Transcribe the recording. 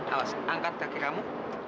awas angkat kakek kamu